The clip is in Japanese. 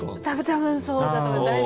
多分そうだと思います。